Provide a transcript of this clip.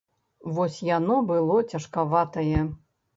Вось яно было цяжкаватае.